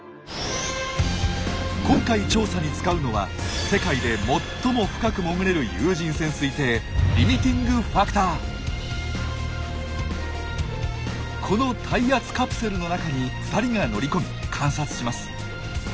今回調査に使うのは世界で最も深く潜れるこの耐圧カプセルの中に２人が乗り込み観察します。